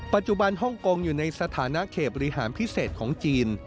ปัจจุบันฮ่องกงอยู่ในสถานะเขตบริหารพิเศษของจีน